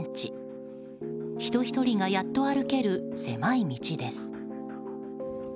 人１人がやっと歩ける狭い道です。